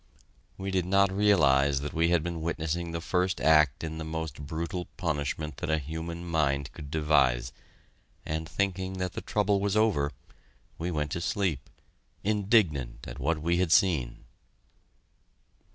We did not realize that we had been witnessing the first act in the most brutal punishment that a human mind could devise, and, thinking that the trouble was over, we went to sleep, indignant at what we had seen.